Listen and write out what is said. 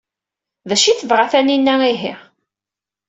D acu ay tebɣa Taninna ihi?